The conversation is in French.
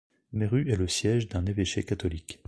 Meru est le siège d'un évêché catholique.